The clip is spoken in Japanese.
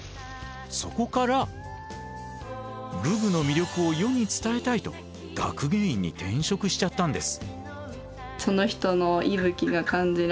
そこから武具の魅力を世に伝えたいと学芸員に転職しちゃったんです。